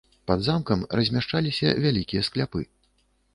Пад замкам размяшчаліся вялікія скляпы.